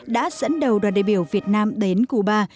đã dẫn đầu đoàn đại biểu việt nam đến cuba